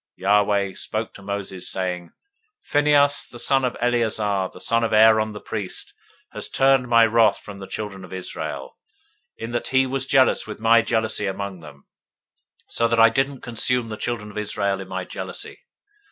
025:010 Yahweh spoke to Moses, saying, 025:011 Phinehas, the son of Eleazar, the son of Aaron the priest, has turned my wrath away from the children of Israel, in that he was jealous with my jealousy among them, so that I didn't consume the children of Israel in my jealousy.